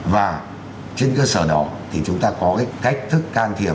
và trên cơ sở đó thì chúng ta có cái cách thức can thiệp